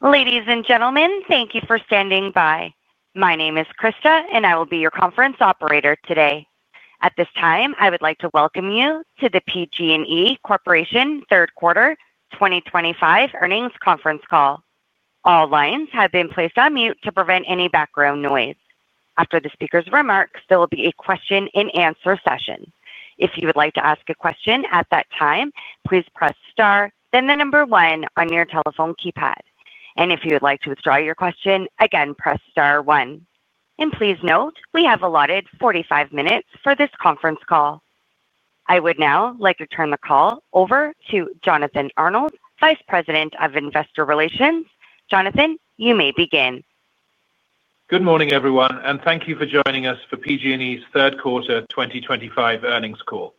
Ladies and gentlemen, thank you for standing by. My name is Krista, and I will be your conference operator today. At this time, I would like to welcome you to the PG&E Corporation Third Quarter 2025 Earnings Conference Call. All lines have been placed on mute to prevent any background noise. After the speaker's remarks, there will be a question and answer session. If you would like to ask a question at that time, please press star, then the number one on your telephone keypad. If you would like to withdraw your question, again, press star one. Please note, we have allotted 45 minutes for this conference call. I would now like to turn the call over to Jonathan Arnold, Vice President of Investor Relations. Jonathan, you may begin. Good morning, everyone, and thank you for joining us for PG&E Corporation's Third Quarter 2025 Earnings Call.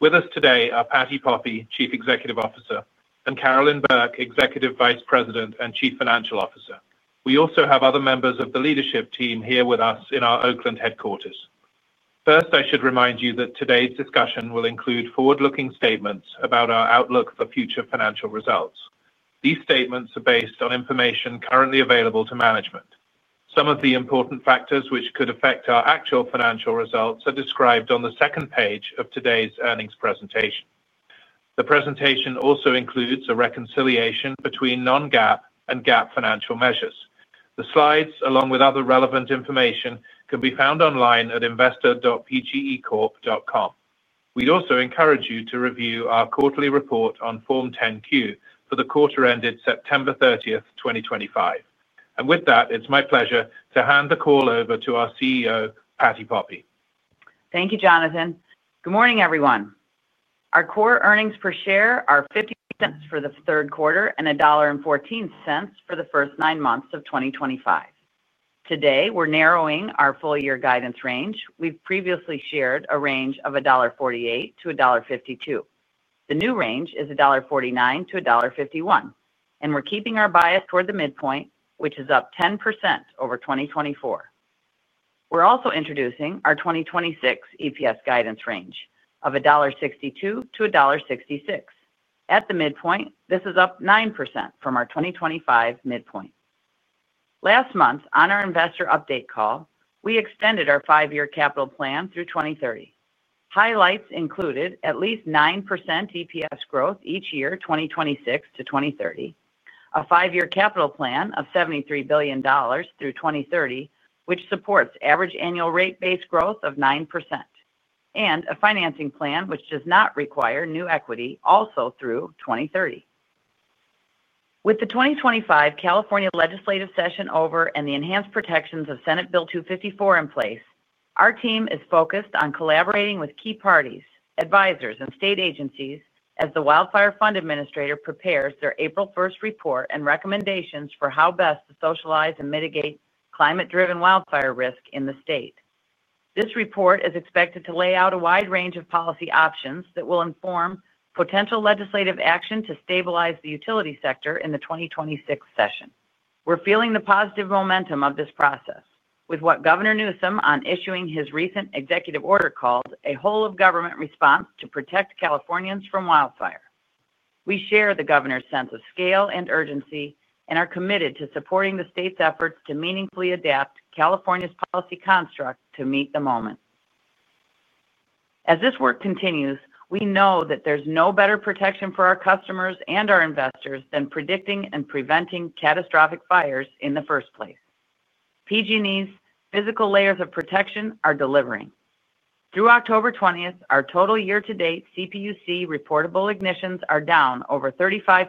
With us today are Patti Poppe, Chief Executive Officer, and Carolyn Burke, Executive Vice President and Chief Financial Officer. We also have other members of the leadership team here with us in our Oakland headquarters. First, I should remind you that today's discussion will include forward-looking statements about our outlook for future financial results. These statements are based on information currently available to management. Some of the important factors which could affect our actual financial results are described on the second page of today's earnings presentation. The presentation also includes a reconciliation between non-GAAP and GAAP financial measures. The slides, along with other relevant information, can be found online at investor.pgecorp.com. We'd also encourage you to review our quarterly report on Form 10-Q for the quarter ended September 30th, 2025. With that, it's my pleasure to hand the call over to our CEO, Patti Poppe. Thank you, Jonathan. Good morning, everyone. Our core earnings per share are $0.50 for the third quarter and $1.14 for the first nine months of 2025. Today, we're narrowing our full-year guidance range. We've previously shared a range of $1.48-$1.52. The new range is $1.49-$1.51, and we're keeping our bias toward the midpoint, which is up 10% over 2024. We're also introducing our 2026 EPS guidance range of $1.62-$1.66. At the midpoint, this is up 9% from our 2025 midpoint. Last month, on our investor update call, we extended our five-year capital plan through 2030. Highlights included at least 9% EPS growth each year, 2026 to 2030, a five-year capital plan of $73 billion through 2030, which supports average annual rate base growth of 9%, and a financing plan which does not require new equity also through 2030. With the 2025 California legislative session over and the enhanced protections of Senate Bill 254 in place, our team is focused on collaborating with key parties, advisors, and state agencies as the Wildfire Fund Administrator prepares their April 1st report and recommendations for how best to socialize and mitigate climate-driven wildfire risk in the state. This report is expected to lay out a wide range of policy options that will inform potential legislative action to stabilize the utility sector in the 2026 session. We're feeling the positive momentum of this process with what Governor Newsom on issuing his recent executive order calls a whole-of-government response to protect Californians from wildfire. We share the Governor's sense of scale and urgency and are committed to supporting the state's efforts to meaningfully adapt California's policy construct to meet the moment. As this work continues, we know that there's no better protection for our customers and our investors than predicting and preventing catastrophic fires in the first place. PG&E's physical layers of protection are delivering. Through October 20th, our total year-to-date CPUC-reportable ignitions are down over 35%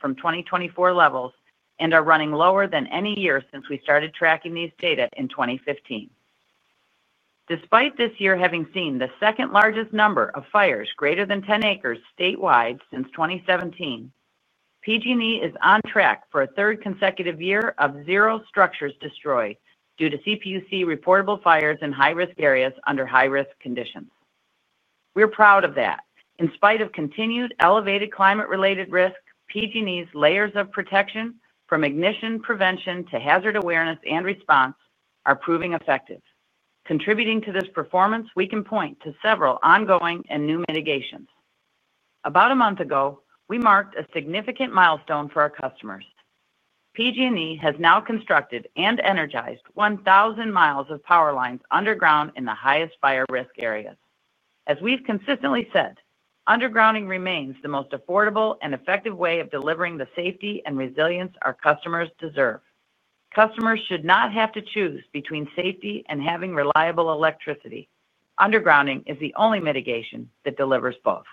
from 2024 levels and are running lower than any year since we started tracking these data in 2015. Despite this year having seen the second-largest number of fires greater than 10 acres statewide since 2017, PG&E is on track for a third consecutive year of zero structures destroyed due to CPUC-reportable fires in high fire-risk areas under high-risk conditions. We're proud of that. In spite of continued elevated climate-related risk, PG&E's layers of protection, from ignition prevention to hazard awareness and response, are proving effective. Contributing to this performance, we can point to several ongoing and new mitigations. About a month ago, we marked a significant milestone for our customers. PG&E has now constructed and energized 1,000 mi of power lines underground in the highest fire-risk areas. As we've consistently said, undergrounding remains the most affordable and effective way of delivering the safety and resilience our customers deserve. Customers should not have to choose between safety and having reliable electricity. Undergrounding is the only mitigation that delivers both.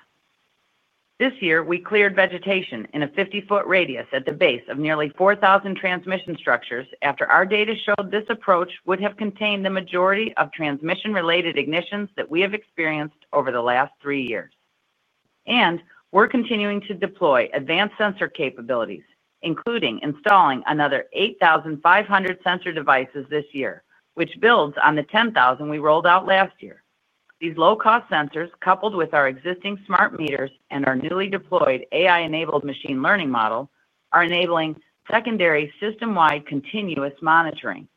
This year, we cleared vegetation in a 50 ft radius at the base of nearly 4,000 transmission structures after our data showed this approach would have contained the majority of transmission-related ignitions that we have experienced over the last three years. We are continuing to deploy advanced sensor capabilities, including installing another 8,500 sensor devices this year, which builds on the 10,000 we rolled out last year. These low-cost sensors, coupled with our existing smart meters and our newly deployed AI-enabled machine learning model, are enabling secondary system-wide continuous monitoring.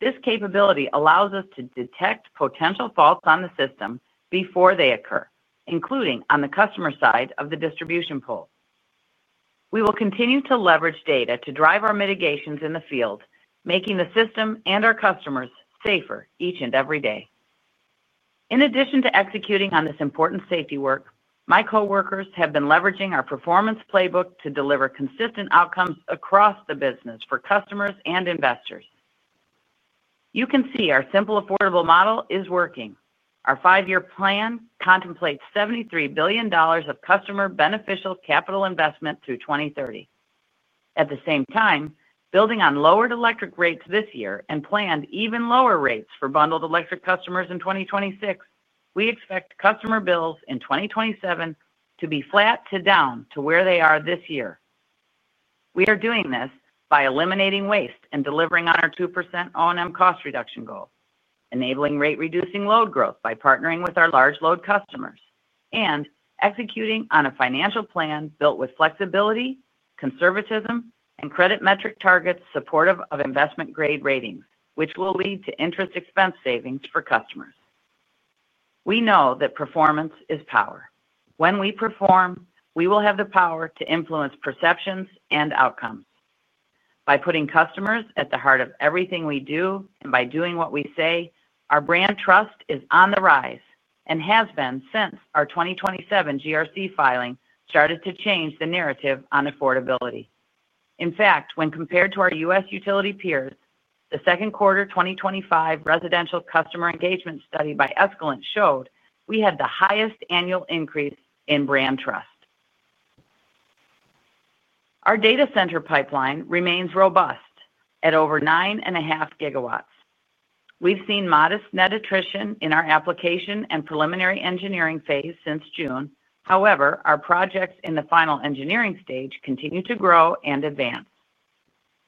This capability allows us to detect potential faults on the system before they occur, including on the customer side of the distribution pole. We will continue to leverage data to drive our mitigations in the field, making the system and our customers safer each and every day. In addition to executing on this important safety work, my coworkers have been leveraging our performance playbook to deliver consistent outcomes across the business for customers and investors. You can see our simple, affordable model is working. Our five-year plan contemplates $73 billion of customer beneficial capital investment through 2030. At the same time, building on lowered electric rates this year and planned even lower rates for bundled electric customers in 2026, we expect customer bills in 2027 to be flat to down to where they are this year. We are doing this by eliminating waste and delivering on our 2% O&M cost reduction goal, enabling rate-reducing load growth by partnering with our large load customers, and executing on a financial plan built with flexibility, conservatism, and credit metric targets supportive of investment-grade ratings, which will lead to interest expense savings for customers. We know that performance is power. When we perform, we will have the power to influence perceptions and outcomes. By putting customers at the heart of everything we do and by doing what we say, our brand trust is on the rise and has been since our 2027 GRC filing started to change the narrative on affordability. In fact, when compared to our U.S. utility peers, the second quarter 2025 residential customer engagement study by Escalent showed we had the highest annual increase in brand trust. Our data center pipeline remains robust at over 9.5 GW. We've seen modest net attrition in our application and preliminary engineering phase since June. However, our projects in the final engineering stage continue to grow and advance.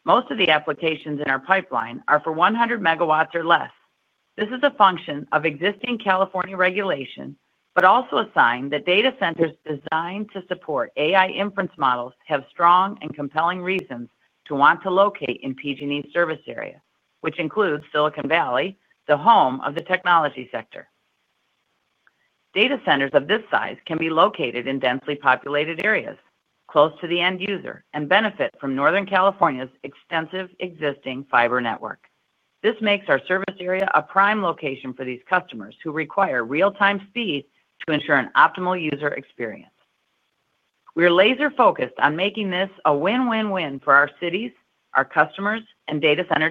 Most of the applications in our pipeline are for 100 MW or less. This is a function of existing California regulation, but also a sign that data centers designed to support AI inference models have strong and compelling reasons to want to locate in PG&E's service area, which includes Silicon Valley, the home of the technology sector. Data centers of this size can be located in densely populated areas close to the end user and benefit from Northern California's extensive existing fiber network. This makes our service area a prime location for these customers who require real-time speed to ensure an optimal user experience. We are laser-focused on making this a win-win-win for our cities, our customers, and data center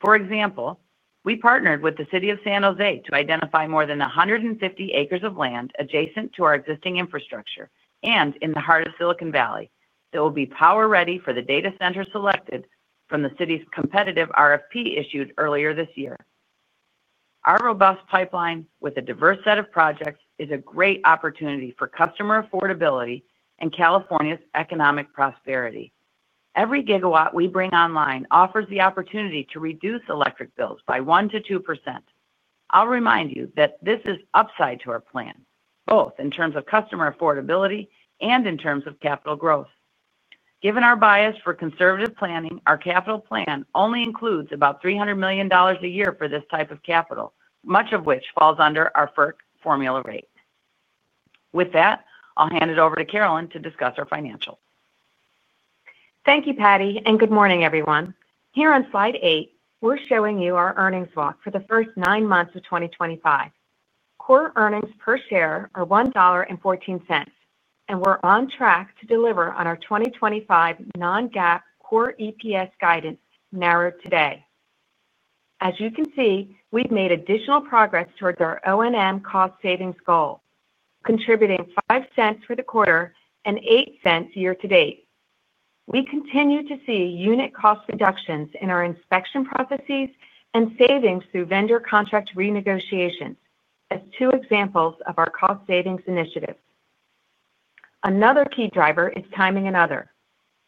developers. For example, we partnered with the city of San Jose to identify more than 150 acres of land adjacent to our existing infrastructure and in the heart of Silicon Valley that will be power-ready for the data center selected from the city's competitive RFP issued earlier this year. Our robust pipeline with a diverse set of projects is a great opportunity for customer affordability and California's economic prosperity. Every gigawatt we bring online offers the opportunity to reduce electric bills by 1%-2%. I'll remind you that this is upside to our plan, both in terms of customer affordability and in terms of capital growth. Given our bias for conservative planning, our capital plan only includes about $300 million a year for this type of capital, much of which falls under our FERC formula rate. With that, I'll hand it over to Carolyn to discuss our financials. Thank you, Patti, and good morning, everyone. Here on slide eight, we're showing you our earnings walk for the first nine months of 2025. Core earnings per share are $1.14, and we're on track to deliver on our 2025 non-GAAP core EPS guidance narrowed today. As you can see, we've made additional progress towards our O&M cost savings goal, contributing $0.05 for the quarter and $0.08 year to date. We continue to see unit cost reductions in our inspection processes and savings through vendor contract renegotiations as two examples of our cost savings initiatives. Another key driver is timing and other.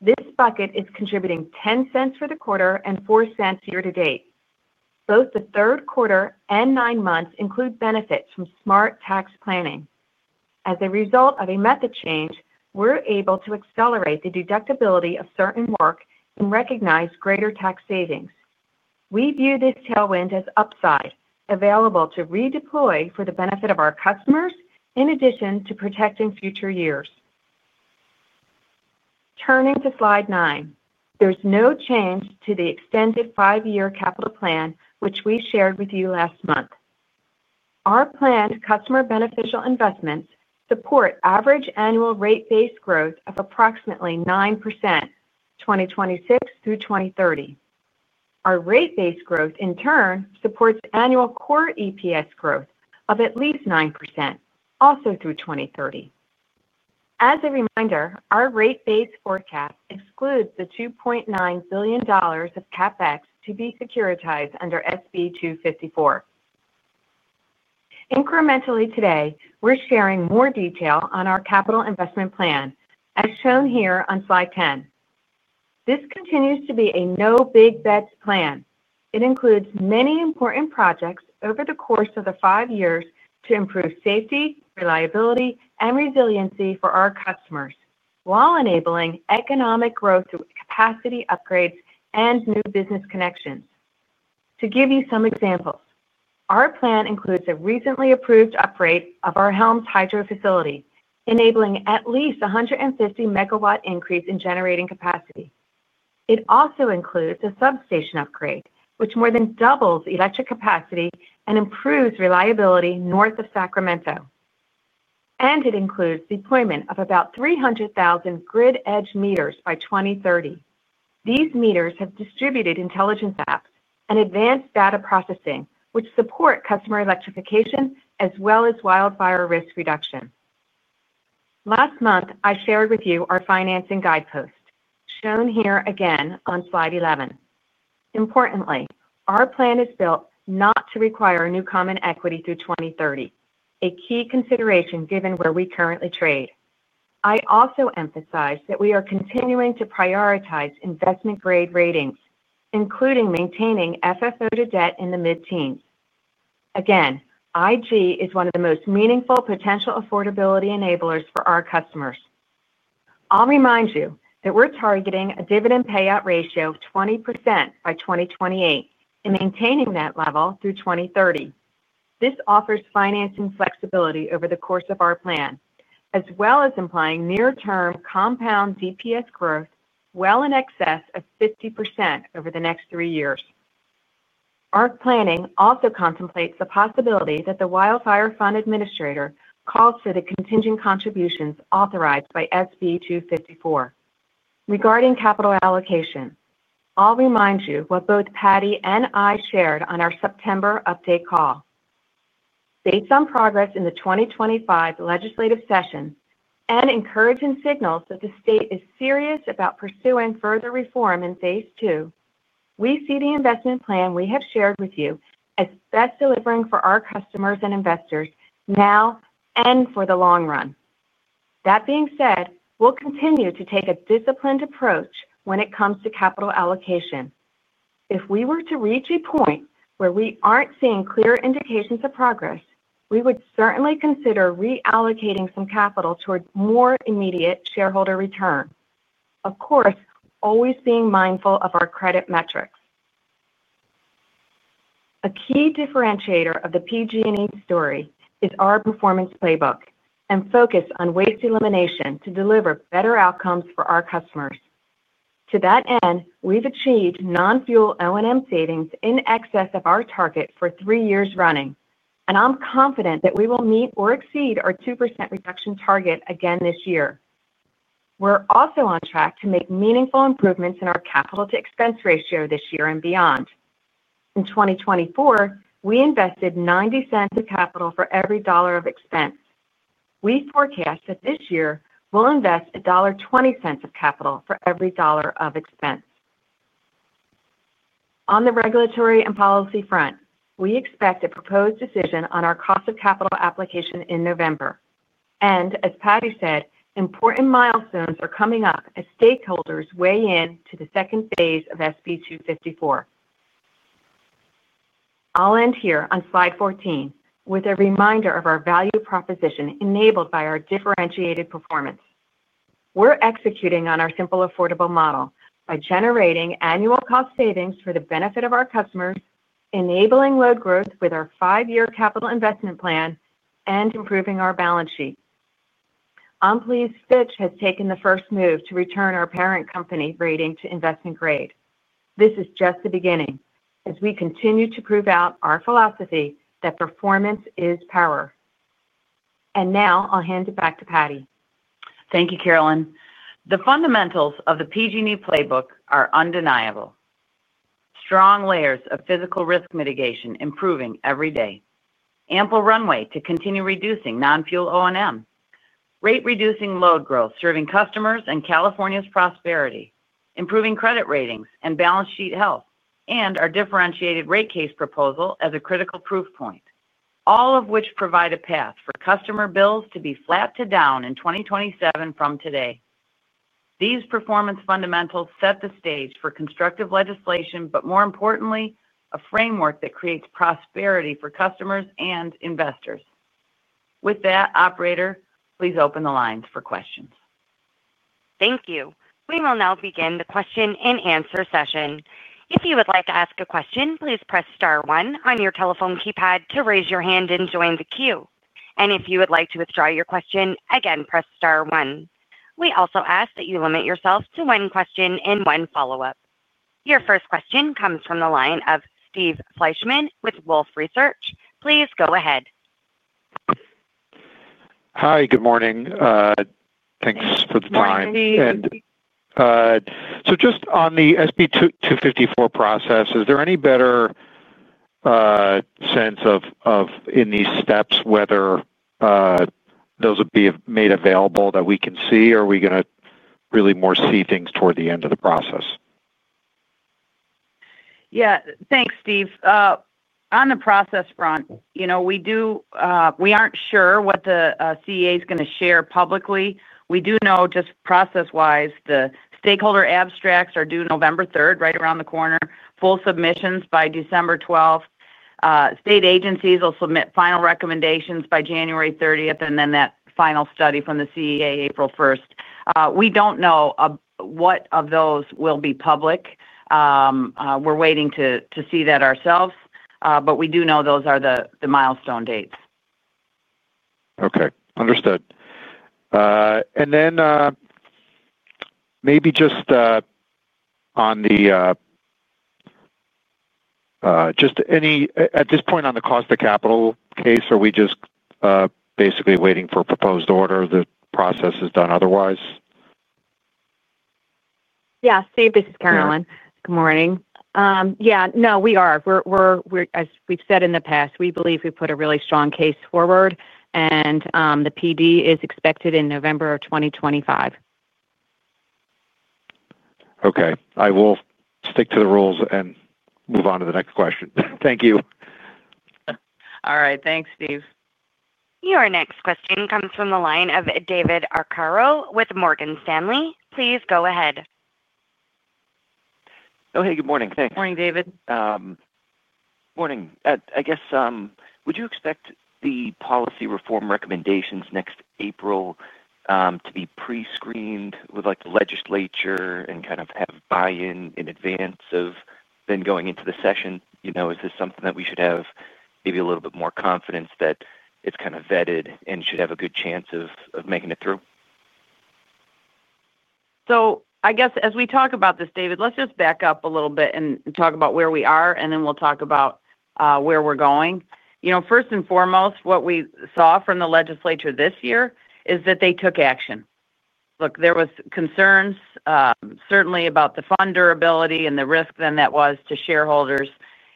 This bucket is contributing $0.10 for the quarter and $0.04 year to date. Both the third quarter and nine months include benefits from smart tax planning. As a result of a method change, we're able to accelerate the deductibility of certain work and recognize greater tax savings. We view this tailwind as upside available to redeploy for the benefit of our customers in addition to protecting future years. Turning to slide nine, there's no change to the extended five-year capital plan, which we shared with you last month. Our planned customer beneficial investments support average annual rate base growth of approximately 9%, 2026 through 2030. Our rate base growth, in turn, supports annual core EPS growth of at least 9%, also through 2030. As a reminder, our rate base forecast excludes the $2.9 billion of CapEx to be securitized under SB 254. Incrementally today, we're sharing more detail on our capital investment plan, as shown here on slide 10. This continues to be a no-big-bets plan. It includes many important projects over the course of the five years to improve safety, reliability, and resiliency for our customers while enabling economic growth through capacity upgrades and new business connections. To give you some examples, our plan includes a recently approved upgrade of our Helms hydro facility, enabling at least 150 MW increase in generating capacity. It also includes a substation upgrade, which more than doubles electric capacity and improves reliability north of Sacramento. It includes deployment of about 300,000 grid-edge meters by 2030. These meters have distributed intelligence apps and advanced data processing, which support customer electrification as well as wildfire risk reduction. Last month, I shared with you our financing guidepost, shown here again on slide 11. Importantly, our plan is built not to require new common equity through 2030, a key consideration given where we currently trade. I also emphasize that we are continuing to prioritize investment-grade ratings, including maintaining FFO to debt in the mid-teens. IG is one of the most meaningful potential affordability enablers for our customers. I'll remind you that we're targeting a dividend payout ratio of 20% by 2028 and maintaining that level through 2030. This offers financing flexibility over the course of our plan, as well as implying near-term compound DPS growth well in excess of 50% over the next three years. Our planning also contemplates the possibility that the Wildfire Fund Administrator calls for the contingent contributions authorized by SB 254. Regarding capital allocation, I'll remind you what both Patti and I shared on our September update call. Based on progress in the 2025 legislative session and encouraging signals that the state is serious about pursuing further reform in phase two, we see the investment plan we have shared with you as best delivering for our customers and investors now and for the long run. That being said, we'll continue to take a disciplined approach when it comes to capital allocation. If we were to reach a point where we aren't seeing clear indications of progress, we would certainly consider reallocating some capital towards more immediate shareholder return, of course, always being mindful of our credit metrics. A key differentiator of the PG&E story is our performance playbook and focus on waste elimination to deliver better outcomes for our customers. To that end, we've achieved non-fuel O&M savings in excess of our target for three years running, and I'm confident that we will meet or exceed our 2% reduction target again this year. We're also on track to make meaningful improvements in our capital-to-expense ratio this year and beyond. In 2024, we invested $0.90 of capital for every dollar of expense. We forecast that this year we'll invest $1.20 of capital for every dollar of expense. On the regulatory and policy front, we expect a proposed decision on our cost of capital application in November. As Patti said, important milestones are coming up as stakeholders weigh in to the second phase of SB 254. I'll end here on slide 14 with a reminder of our value proposition enabled by our differentiated performance. We're executing on our simple, affordable model by generating annual cost savings for the benefit of our customers, enabling load growth with our five-year capital investment plan, and improving our balance sheet. I'm pleased Fitch has taken the first move to return our parent company rating to investment grade. This is just the beginning as we continue to prove out our philosophy that performance is power. I'll hand it back to Patti. Thank you, Carolyn. The fundamentals of the PG&E playbook are undeniable. Strong layers of physical risk mitigation improving every day. Ample runway to continue reducing non-fuel O&M. Rate-reducing load growth serving customers and California's prosperity, improving credit ratings and balance sheet health, and our differentiated rate case proposal as a critical proof point, all of which provide a path for customer bills to be flat to down in 2027 from today. These performance fundamentals set the stage for constructive legislation, but more importantly, a framework that creates prosperity for customers and investors. With that, operator, please open the lines for questions. Thank you. We will now begin the question and answer session. If you would like to ask a question, please press star one on your telephone keypad to raise your hand and join the queue. If you would like to withdraw your question, again, press star one. We also ask that you limit yourself to one question and one follow-up. Your first question comes from the line of Steve Fleishman with Wolfe Research. Please go ahead. Hi, good morning. Thanks for the time. Good morning, Steve. On the SB 254 process, is there any better sense of in these steps whether those would be made available that we can see, or are we going to really more see things toward the end of the process? Yeah, thanks, Steve. On the process front, we aren't sure what the CEA is going to share publicly. We do know, just process-wise, the stakeholder abstracts are due November 3rd, right around the corner, full submissions by December 12th. State agencies will submit final recommendations by January 30th, and then that final study from the CEA, April 1st. We don't know what of those will be public. We're waiting to see that ourselves, but we do know those are the milestone dates. Okay, understood. Maybe just on the cost of capital case, are we just basically waiting for a proposed order? The process is done otherwise? Yeah, Steve, this is Carolyn. Good morning. We are, as we've said in the past, we believe we've put a really strong case forward, and the PD is expected in November of 2025. Okay, I will stick to the rules and move on to the next question. Thank you. All right, thanks, Steve. Your next question comes from the line of David Arcaro with Morgan Stanley. Please go ahead. Oh, hey, good morning. Thanks. Morning, David. Morning. I guess, would you expect the policy reform recommendations next April to be pre-screened with, like, the legislature and kind of have buy-in in advance of then going into the session? You know, is this something that we should have maybe a little bit more confidence that it's kind of vetted and should have a good chance of making it through? As we talk about this, David, let's just back up a little bit and talk about where we are, and then we'll talk about where we're going. First and foremost, what we saw from the legislature this year is that they took action. There were concerns, certainly about the fund durability and the risk then that was to shareholders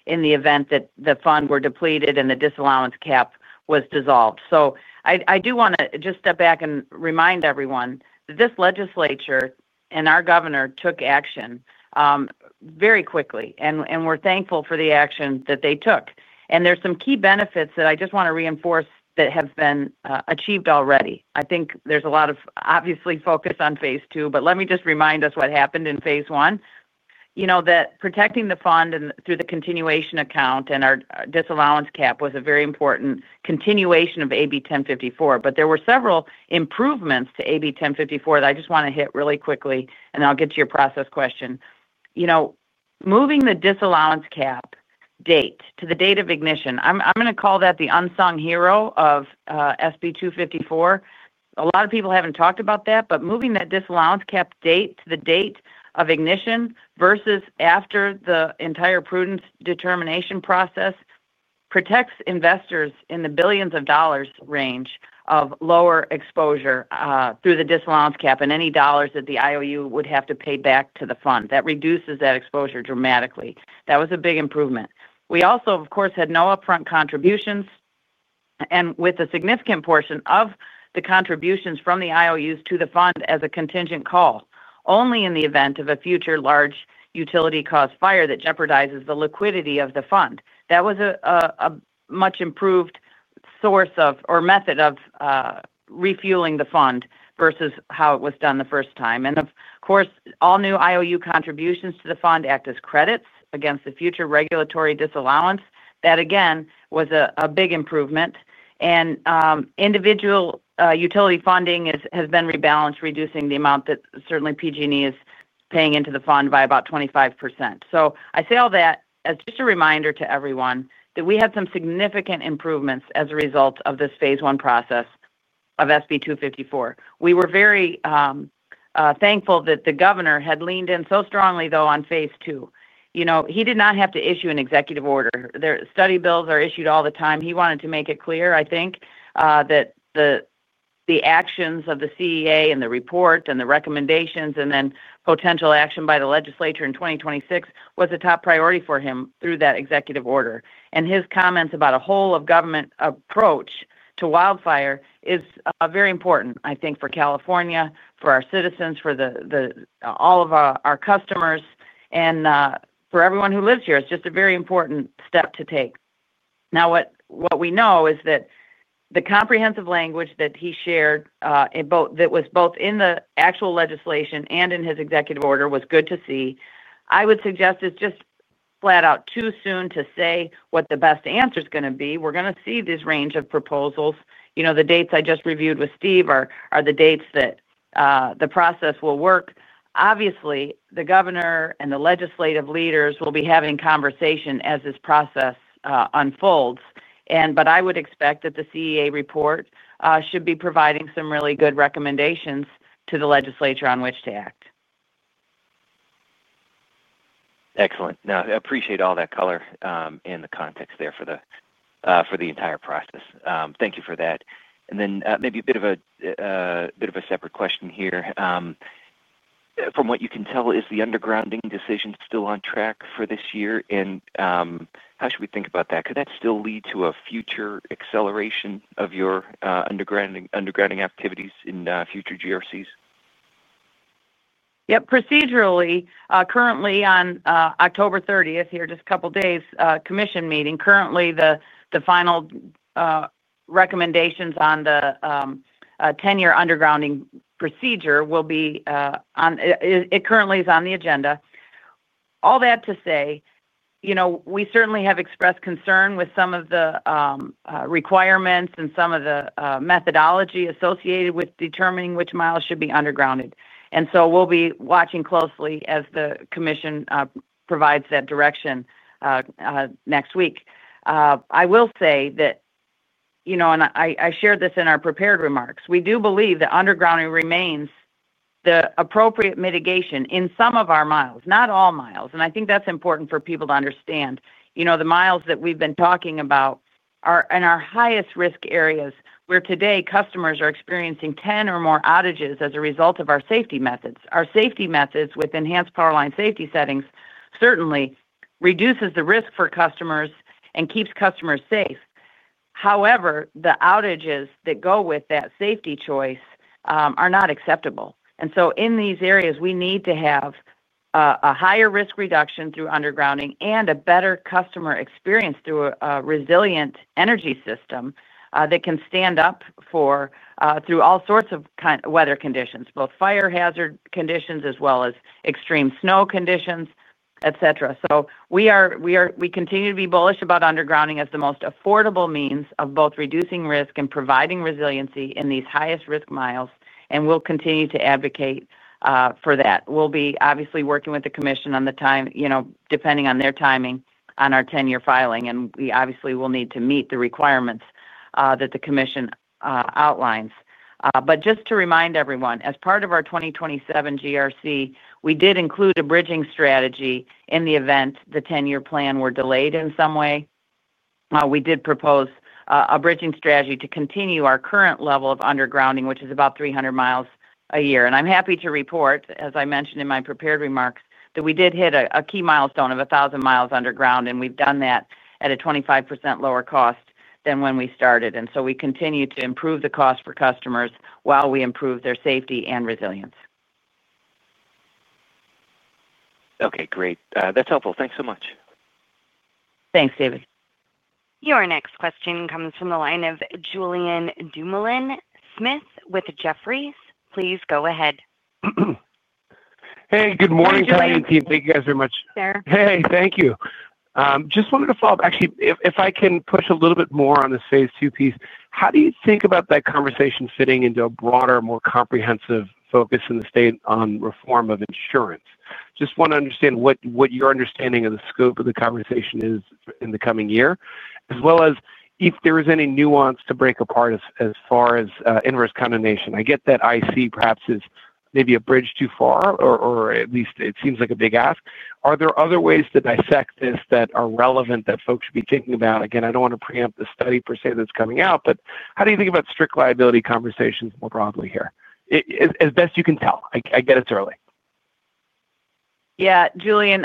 in the event that the fund were depleted and the disallowance cap was dissolved. I do want to just step back and remind everyone that this legislature and our governor took action very quickly, and we're thankful for the action that they took. There are some key benefits that I just want to reinforce that have been achieved already. I think there's a lot of obviously focus on phase two, but let me just remind us what happened in phase one. Protecting the fund and through the continuation account and our disallowance cap was a very important continuation of AB 1054. There were several improvements to AB 1054 that I just want to hit really quickly, and I'll get to your process question. Moving the disallowance cap date to the date of ignition, I'm going to call that the unsung hero of SB 254. A lot of people haven't talked about that, but moving that disallowance cap date to the date of ignition versus after the entire prudence determination process protects investors in the billions of dollars range of lower exposure, through the disallowance cap and any dollars that the IOU would have to pay back to the fund. That reduces that exposure dramatically. That was a big improvement. We also, of course, had no upfront contributions, and with a significant portion of the contributions from the IOUs to the fund as a contingent call, only in the event of a future large utility cost fire that jeopardizes the liquidity of the fund. That was a much improved source of or method of refueling the fund versus how it was done the first time. All new IOU contributions to the fund act as credits against the future regulatory disallowance. That again was a big improvement. Individual utility funding has been rebalanced, reducing the amount that certainly PG&E is paying into the fund by about 25%. I say all that as just a reminder to everyone that we had some significant improvements as a result of this phase one process of SB 254. We were very thankful that the governor had leaned in so strongly, though, on phase two. He did not have to issue an executive order. The study bills are issued all the time. He wanted to make it clear, I think, that the actions of the CEA and the report and the recommendations and then potential action by the legislature in 2026 was a top priority for him through that executive order. His comments about a whole-of-government approach to wildfire is very important, I think, for California, for our citizens, for all of our customers, and for everyone who lives here. It's just a very important step to take. What we know is that the comprehensive language that he shared, that was both in the actual legislation and in his executive order, was good to see. I would suggest it's just flat out too soon to say what the best answer is going to be. We're going to see this range of proposals. The dates I just reviewed with Steve are the dates that the process will work. Obviously, the governor and the legislative leaders will be having conversation as this process unfolds. I would expect that the CEA report should be providing some really good recommendations to the legislature on which to act. Excellent. I appreciate all that color and the context there for the entire process. Thank you for that. Maybe a bit of a separate question here. From what you can tell, is the undergrounding decision still on track for this year? How should we think about that? Could that still lead to a future acceleration of your undergrounding activities in future GRCs? Yep. Procedurally, currently on October 30th, here just a couple of days, commission meeting, currently the final recommendations on the 10-year undergrounding procedure will be on, it currently is on the agenda. All that to say, you know, we certainly have expressed concern with some of the requirements and some of the methodology associated with determining which miles should be undergrounded. We'll be watching closely as the commission provides that direction next week. I will say that, you know, and I shared this in our prepared remarks, we do believe that undergrounding remains the appropriate mitigation in some of our miles, not all miles. I think that's important for people to understand. The miles that we've been talking about are in our highest risk areas where today customers are experiencing 10 or more outages as a result of our safety methods. Our safety methods with enhanced power line safety settings certainly reduce the risk for customers and keep customers safe. However, the outages that go with that safety choice are not acceptable. In these areas, we need to have a higher risk reduction through undergrounding and a better customer experience through a resilient energy system that can stand up for, through all sorts of kind of weather conditions, both fire hazard conditions as well as extreme snow conditions, et cetera. We continue to be bullish about undergrounding as the most affordable means of both reducing risk and providing resiliency in these highest risk miles, and we'll continue to advocate for that. We'll be obviously working with the commission on the time, depending on their timing on our 10-year filing, and we obviously will need to meet the requirements that the commission outlines. Just to remind everyone, as part of our 2027 GRC, we did include a bridging strategy in the event the 10-year plan were delayed in some way. We did propose a bridging strategy to continue our current level of undergrounding, which is about 300 mi a year. I'm happy to report, as I mentioned in my prepared remarks, that we did hit a key milestone of 1,000 mi underground, and we've done that at a 25% lower cost than when we started. We continue to improve the cost for customers while we improve their safety and resilience. Okay, great. That's helpful. Thanks so much. Thanks, David. Your next question comes from the line of Julien Dumoulin-Smith with Jefferies. Please go ahead. Hey, good morning, Carolyn. Hey, thank you guys very much. Sir. Hey, thank you. I just wanted to follow up. Actually, if I can push a little bit more on this phase two piece, how do you think about that conversation fitting into a broader, more comprehensive focus in the state on reform of insurance? I just want to understand what your understanding of the scope of the conversation is in the coming year, as well as if there is any nuance to break apart as far as inverse contamination. I get that IC perhaps is maybe a bridge too far, or at least it seems like a big ask. Are there other ways to dissect this that are relevant that folks should be thinking about? I don't want to preempt the study per se that's coming out, but how do you think about strict liability conversations more broadly here? As best you can tell, I get it's early. Yeah, Julien,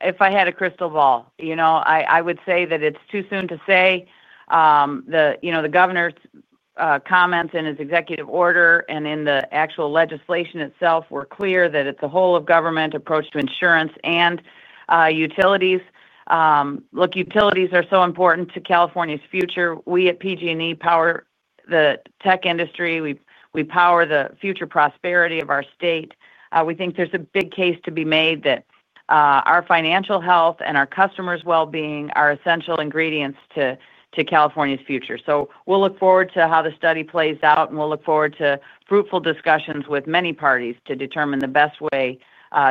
if I had a crystal ball, I would say that it's too soon to say. The governor's comments in his executive order and in the actual legislation itself were clear that it's a whole-of-government approach to insurance and utilities. Look, utilities are so important to California's future. We at PG&E power the tech industry. We power the future prosperity of our state. We think there's a big case to be made that our financial health and our customers' well-being are essential ingredients to California's future. We'll look forward to how the study plays out, and we'll look forward to fruitful discussions with many parties to determine the best way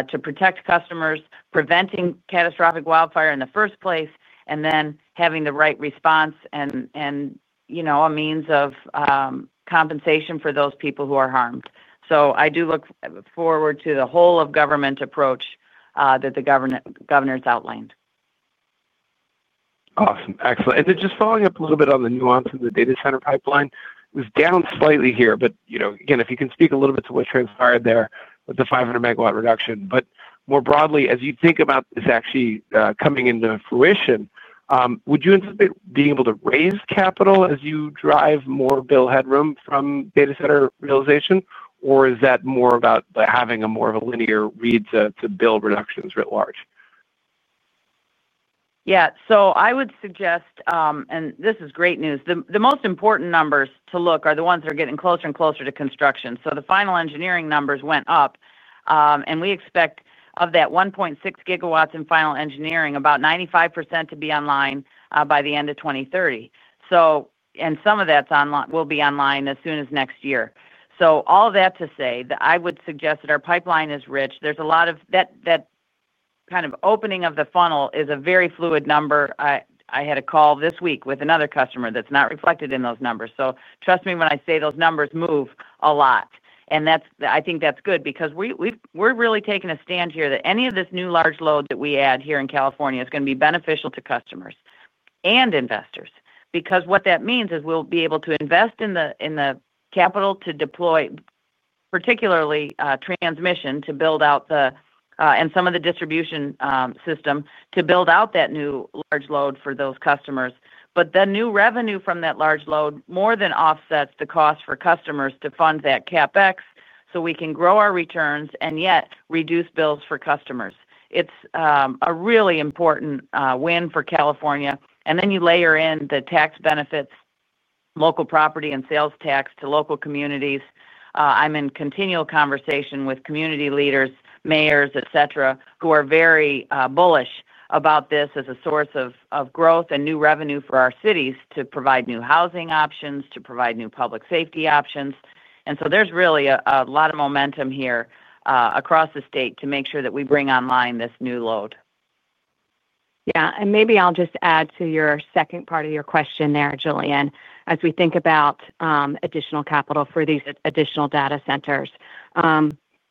to protect customers, preventing catastrophic wildfire in the first place, and then having the right response and a means of compensation for those people who are harmed. I do look forward to the whole-of-government approach that the governor's outlined. Awesome. Excellent. Just following up a little bit on the nuance of the data center pipeline, it was down slightly here, but if you can speak a little bit to what transpired there with the 500 MW reduction. More broadly, as you think about this actually coming into fruition, would you anticipate being able to raise capital as you drive more bill headroom from data center realization, or is that more about having more of a linear read to bill reductions writ large? Yeah, I would suggest, and this is great news. The most important numbers to look at are the ones that are getting closer and closer to construction. The final engineering numbers went up, and we expect of that 1.6 GW in final engineering, about 95% to be online by the end of 2030. Some of that will be online as soon as next year. All of that to say that I would suggest that our pipeline is rich. There's a lot of that, that kind of opening of the funnel is a very fluid number. I had a call this week with another customer that's not reflected in those numbers. Trust me when I say those numbers move a lot. I think that's good because we're really taking a stand here that any of this new large load that we add here in California is going to be beneficial to customers and investors because what that means is we'll be able to invest in the capital to deploy, particularly, transmission to build out the, and some of the distribution, system to build out that new large load for those customers. The new revenue from that large load more than offsets the cost for customers to fund that CapEx so we can grow our returns and yet reduce bills for customers. It's a really important win for California. Then you layer in the tax benefits, local property, and sales tax to local communities. I'm in continual conversation with community leaders, mayors, et cetera, who are very bullish about this as a source of growth and new revenue for our cities to provide new housing options, to provide new public safety options. There's really a lot of momentum here across the state to make sure that we bring online this new load. Yeah, and maybe I'll just add to your second part of your question there, Julien, as we think about additional capital for these additional data centers.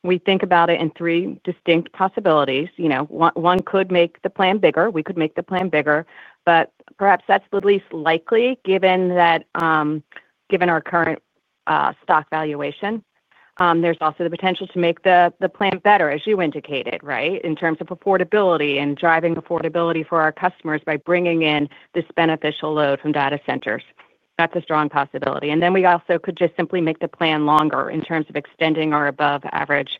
We think about it in three distinct possibilities. One could make the plan bigger. We could make the plan bigger, but perhaps that's the least likely given our current stock valuation. There's also the potential to make the plan better, as you indicated, right, in terms of affordability and driving affordability for our customers by bringing in this beneficial load from data centers. That's a strong possibility. We also could just simply make the plan longer in terms of extending our above-average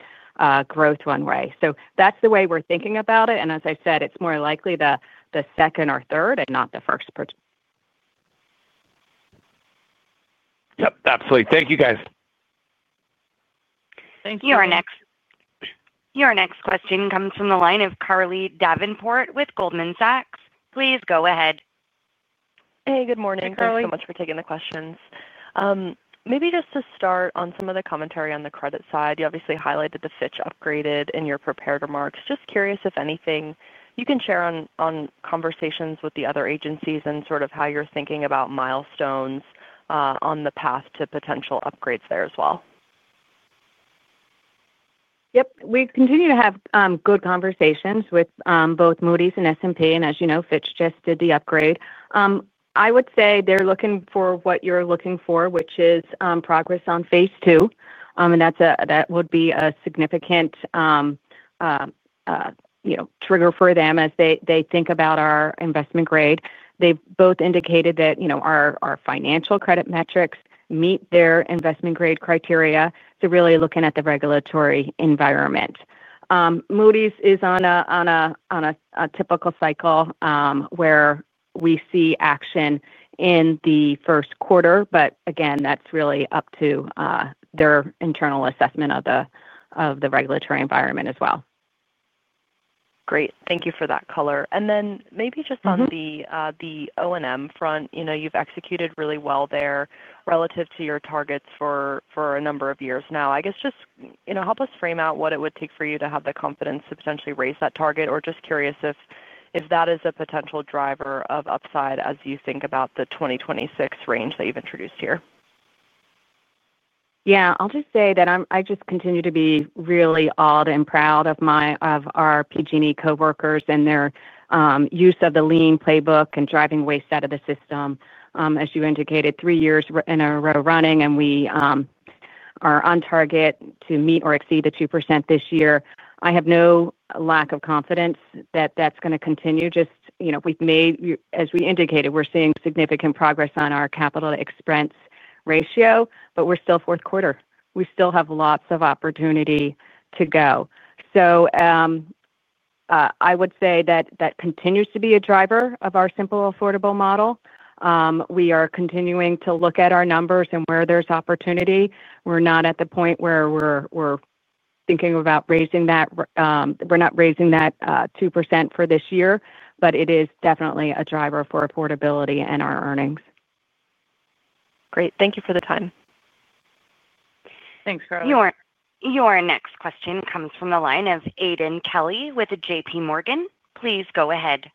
growth runway. That's the way we're thinking about it. As I said, it's more likely the second or third and not the first. Yep, absolutely. Thank you, guys. Thank you. Your next question comes from the line of Carly Davenport with Goldman Sachs. Please go ahead. Hey, good morning. Hey, Carly. Thank you so much for taking the questions. Maybe just to start on some of the commentary on the credit side, you obviously highlighted the Fitch upgrade in your prepared remarks. Just curious if anything you can share on conversations with the other agencies and sort of how you're thinking about milestones on the path to potential upgrades there as well. Yep. We continue to have good conversations with both Moody's and S&P, and as you know, Fitch just did the upgrade. I would say they're looking for what you're looking for, which is progress on phase two. That would be a significant trigger for them as they think about our investment grade. They've both indicated that our financial credit metrics meet their investment grade criteria, so really looking at the regulatory environment. Moody's is on a typical cycle, where we see action in the first quarter, but again, that's really up to their internal assessment of the regulatory environment as well. Great. Thank you for that color. Maybe just on the O&M front, you've executed really well there relative to your targets for a number of years now. I guess just help us frame out what it would take for you to have the confidence to potentially raise that target, or just curious if that is a potential driver of upside as you think about the 2026 range that you've introduced here. Yeah, I'll just say that I continue to be really awed and proud of our PG&E coworkers and their use of the lean playbook and driving waste out of the system. As you indicated, three years in a row running, and we are on target to meet or exceed the 2% this year. I have no lack of confidence that that's going to continue. We've made, as we indicated, we're seeing significant progress on our capital expense ratio, but we're still fourth quarter. We still have lots of opportunity to go. I would say that continues to be a driver of our simple, affordable model. We are continuing to look at our numbers and where there's opportunity. We're not at the point where we're thinking about raising that, we're not raising that 2% for this year, but it is definitely a driver for affordability and our earnings. Great. Thank you for the time. Thanks, Carolyn. Your next question comes from the line of Aidan Kelly with JPMorgan. Please go ahead.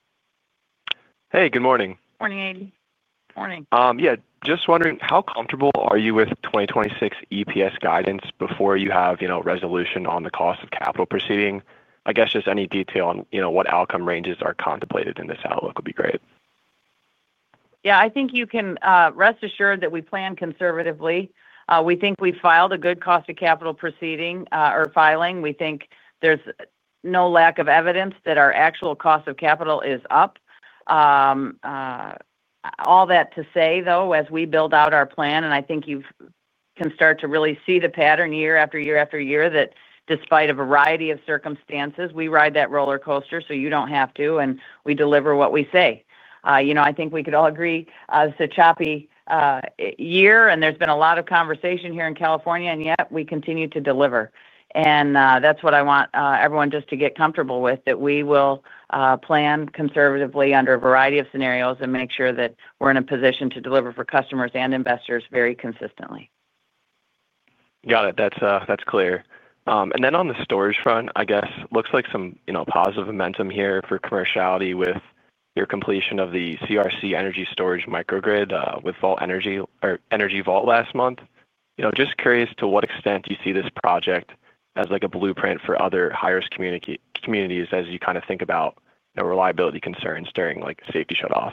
Hey, good morning. Morning, Aidan. Morning. Yeah, just wondering, how comfortable are you with 2026 EPS guidance before you have, you know, resolution on the cost of capital proceeding? I guess just any detail on, you know, what outcome ranges are contemplated in this outlook would be great. Yeah, I think you can rest assured that we plan conservatively. We think we've filed a good cost of capital proceeding or filing. We think there's no lack of evidence that our actual cost of capital is up. All that to say, though, as we build out our plan, and I think you can start to really see the pattern year after year after year that despite a variety of circumstances, we ride that roller coaster so you don't have to, and we deliver what we say. I think we could all agree, it's a choppy year, and there's been a lot of conversation here in California, yet we continue to deliver. That's what I want everyone just to get comfortable with, that we will plan conservatively under a variety of scenarios and make sure that we're in a position to deliver for customers and investors very consistently. Got it. That's clear. On the storage front, I guess it looks like some positive momentum here for commerciality with your completion of the CRC energy storage microgrid with Energy Vault last month. Just curious to what extent do you see this project as a blueprint for other high fire-risk communities as you think about reliability concerns during safety shutoffs.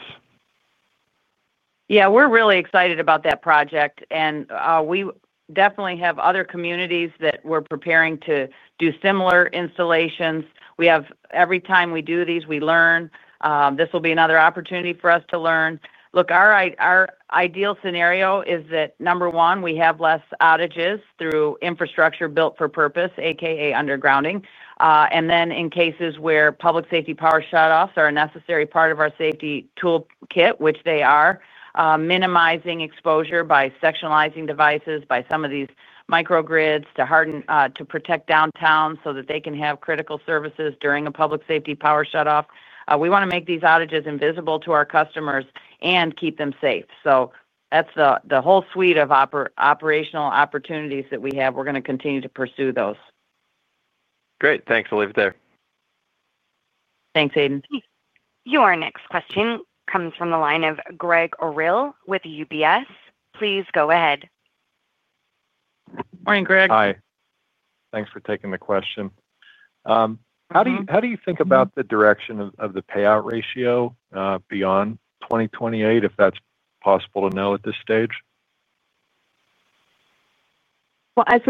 Yeah, we're really excited about that project, and we definitely have other communities that we're preparing to do similar installations. We have, every time we do these, we learn. This will be another opportunity for us to learn. Look, our ideal scenario is that, number one, we have less outages through infrastructure built for purpose, aka undergrounding, and then in cases where public safety power shutoffs are a necessary part of our safety tool kit, which they are, minimizing exposure by sectionalizing devices by some of these microgrids to harden, to protect downtown so that they can have critical services during a public safety power shutoff. We want to make these outages invisible to our customers and keep them safe. That's the whole suite of operational opportunities that we have. We're going to continue to pursue those. Great. Thanks. I'll leave it there. Thanks, Aidan. Your next question comes from the line of Greg Orill with UBS. Please go ahead. Morning, Greg. Hi. Thanks for taking the question. How do you think about the direction of the payout ratio beyond 2028, if that's possible to know at this stage? As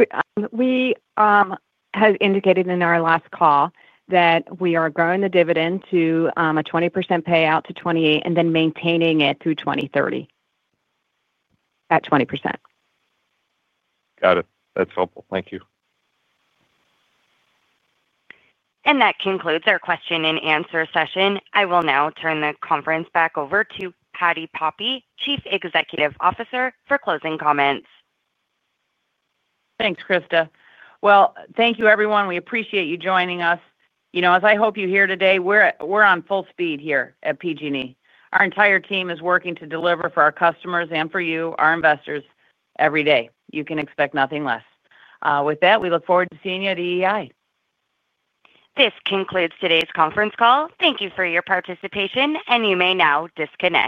we had indicated in our last call, we are growing the dividend to a 20% payout to 2028 and then maintaining it through 2030 at 20%. Got it. That's helpful. Thank you. That concludes our question and answer session. I will now turn the conference back over to Patti Poppe, Chief Executive Officer, for closing comments. Thanks, Krista. Thank you, everyone. We appreciate you joining us. As I hope you hear today, we're on full speed here at PG&E. Our entire team is working to deliver for our customers and for you, our investors, every day. You can expect nothing less. With that, we look forward to seeing you at EEI. This concludes today's conference call. Thank you for your participation, and you may now disconnect.